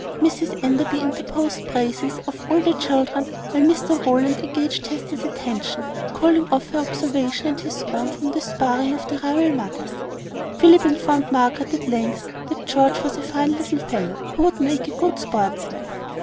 Mrs Enderby interposed praises of all the children, while Mr Rowland engaged Hester's attention, calling off her observation and his own from the sparring of the rival mothers. Philip informed Margaret at length, that George was a fine little fellow, who would make a good sportsman.